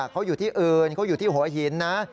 เขาอยู่ที่เอิญเขาอยู่ที่โหยหินนะ